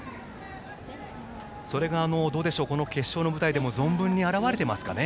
それがこの決勝の舞台でも存分に表れてますかね。